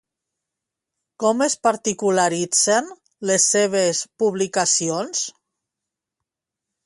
Com es particularitzen les seves publicacions?